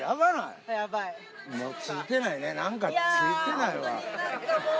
もうツイてないねなんかツイてないわ。